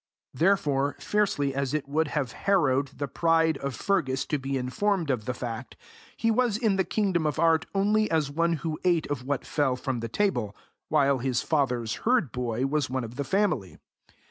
Therefore, fiercely as it would have harrowed the pride of Fergus to be informed of the fact, he was in the kingdom of art only as one who ate of what fell from the table, while his father's herd boy was one of the family.